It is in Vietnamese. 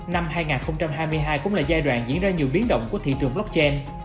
năm hai nghìn hai mươi hai cũng là giai đoạn diễn ra nhiều biến động của thị trường blockchain